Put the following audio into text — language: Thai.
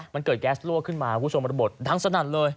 มันเกิดแก๊สลั่วขึ้นมาคุณผู้ชมระเบิดดังสนั่นเลย